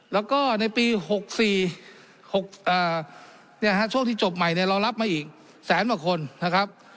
แล้วก็ในปี๖๔ช่วงที่จบใหม่เรารับมาอีกแสนกว่าคนนะครับ